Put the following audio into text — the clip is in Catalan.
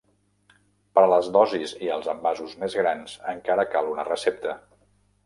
Per a les dosis i els envasos més grans encara cal una recepta.